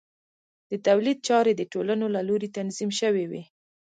د تولید چارې د ټولنو له لوري تنظیم شوې وې.